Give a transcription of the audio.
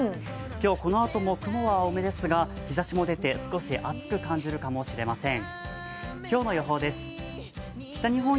今日このあとも雲は多めですが日ざしも出て少し暑く感じられるかもしれません。